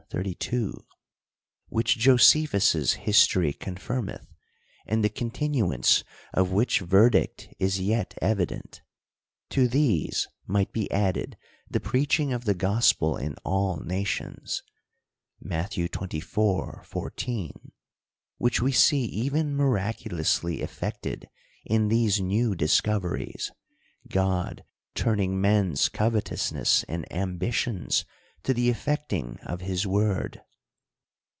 79 (Luke xxi. 32) : which Josephus' history confirmeth, and the continuance of which verdict is yet evident. To these might be added the preaching of the gospel in all nations (Matt. xxiv. 14) ; which we see even mirac ulously effected in these new discoveries, God turning men's covetousness and ambitions to the effecting of his word.